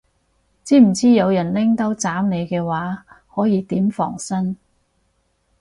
知唔知有人拎刀斬你嘅話可以點防身